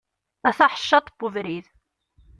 A taḥeccaḍt n ubrid.